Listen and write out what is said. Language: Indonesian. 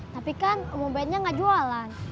tapi kan omobetnya gak jualan